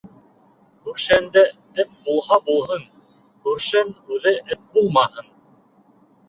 Күршеңдә эт булһа булһын, күршең үҙе эт булмаһын.